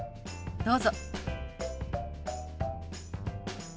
どうぞ。